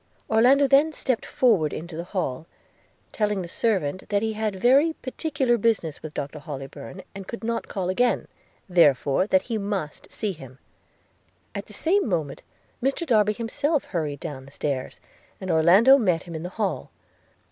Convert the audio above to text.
– Orlando then stepped forward into the hall, telling the servant that he had very particular business with Dr Hollybourn, and could not call again; therefore that he must see him: – at the same moment Mr Darby himself hurried down stairs, and Orlando met him in the hall.